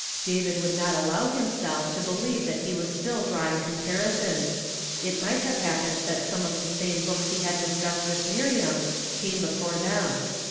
David woidd not allow him self to l)elieve that he was still drawhig compari sons ; it might have hapi)ened that some of the same books he had discussed with Miriam came before them.